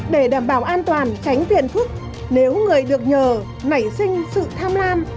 để đảm bảo an toàn tránh tiền phức nếu người được nhờ nảy sinh sự tham lan